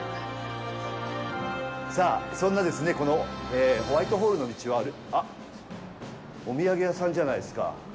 さあ、そんなホワイトホールの道をあっ、お土産屋さんじゃないですか。